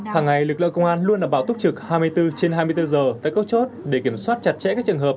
hàng ngày lực lượng công an luôn đảm bảo túc trực hai mươi bốn trên hai mươi bốn giờ tại các chốt để kiểm soát chặt chẽ các trường hợp